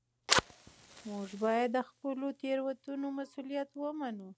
موږ باید د خپلو تېروتنو مسوولیت ومنو